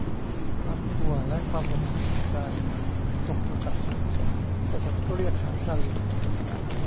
ความกลัวและความหดหู่ใจตกอยู่กับฉันและฉันก็เรียกหาชาร์ลี